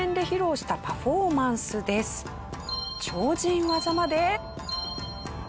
超人技まで。